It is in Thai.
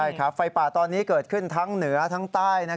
ใช่ครับไฟป่าตอนนี้เกิดขึ้นทั้งเหนือทั้งใต้